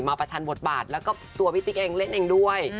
ประชันบทบาทแล้วก็ตัวพี่ติ๊กเองเล่นเองด้วย